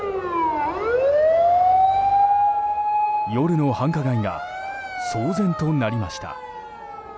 夜の繁華街が騒然となりました。